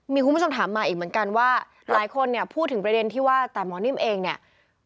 มีคุณผู้ชมถามมาอีกเหมือนกันว่าหลายคนเนี่ยพูดถึงประเด็นที่ว่าแต่หมอนิ่มเองเนี่ย